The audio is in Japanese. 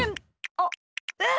あっえっ！？